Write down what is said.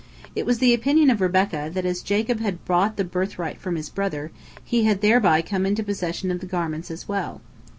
It was the opinion of Rebekah that as Jacob had bought the birthright from his brother, he had thereby come into possession of the garments as well.